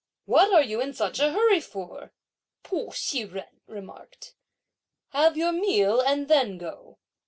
"What are you in such a hurry for?" Pu Shih jen remarked. "Have your meal and then go!"